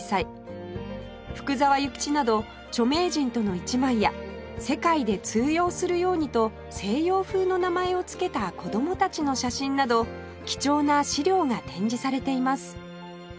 福沢諭吉など著名人との一枚や世界で通用するようにと西洋風の名前を付けた子供たちの写真など貴重な資料が展示されています